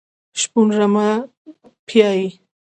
شپون رمه پیایي .